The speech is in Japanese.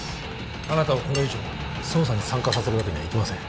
あなたをこれ以上捜査に参加させるわけにはいきません